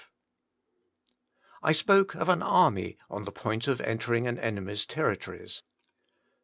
I SPOKE of an army on the point of entering an enemy's territories.